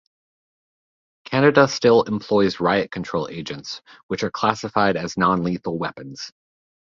Canada still employs riot control agents which are classified as non-lethal weapons.